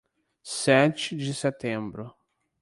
Sete de Setembro